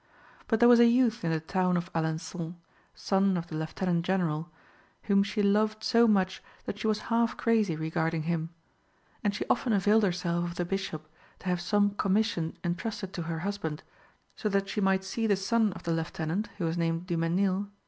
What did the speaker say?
But there was a youth in the town of Alençon, son of the Lieutenant General,(5) whom she loved so much that she was half crazy regarding him; and she often availed herself of the Bishop to have some commission intrusted to her husband, so that she might see the son of the Lieutenant, who was named Du Mesnil, at her ease.